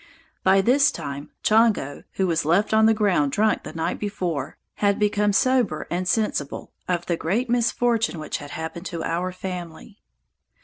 By this time, Chongo, (who was left on the ground drunk the night before,) had become sober and sensible of the great misfortune which had happened to our family.